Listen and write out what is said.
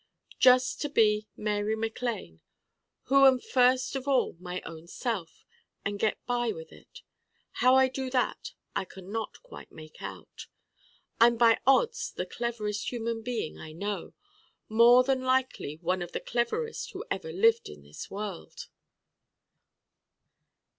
Just to be Mary MacLane who am first of all my own self! and get by with it! how I do that I can not quite make out. I'm by odds the Cleverest human being I know: more than likely one of the Cleverest who ever lived in this world.